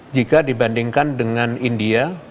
jika dibandingkan dengan india